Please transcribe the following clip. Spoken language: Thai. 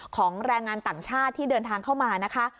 แรงงานต่างชาติที่เดินทางเข้ามานะคะ